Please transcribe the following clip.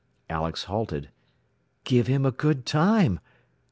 Alex halted. "Give him a good time!